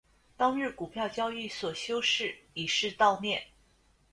当日股票交易所休市以示悼念。